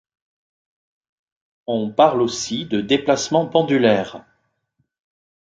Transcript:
On parle aussi de déplacement pendulaire.